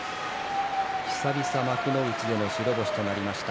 久々に幕内での白星となりました